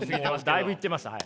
だいぶいってます。